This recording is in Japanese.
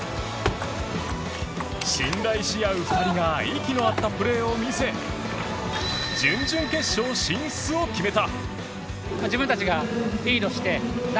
信頼し合う２人が息の合ったプレーを見せ準々決勝進出を決めた。